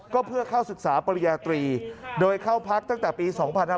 ก็เพื่อเข้าศึกษาปริญญาตรีโดยเข้าพักตั้งแต่ปี๒๕๕๙